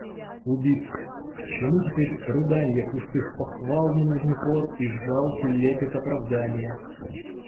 Убит!.. к чему теперь рыданья, пустых похвал ненужный хор и жалкий лепет оправданья?